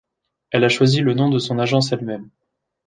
Elle a choisi le nom de son agence elle-même.